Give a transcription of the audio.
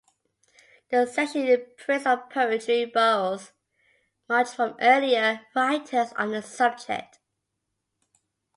The section in praise of poetry borrows much from earlier writers on the subject.